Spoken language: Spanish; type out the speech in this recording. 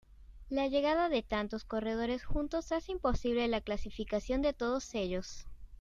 La llegada de tantos corredores juntos hace imposible la clasificación de todos ellos.